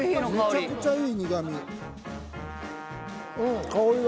めちゃくちゃいい苦みうん